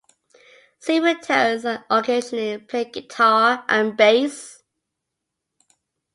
Supertones, and occasionally played guitar and bass.